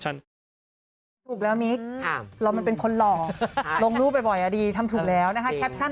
ใช่แต่อยากลงครับ